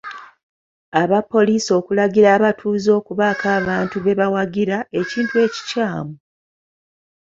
Abapoliisi okulagira abatuuze okubaako abantu be bawagira, ekintu ekikyamu.